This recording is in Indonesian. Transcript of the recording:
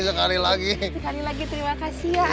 sekali lagi terima kasih ya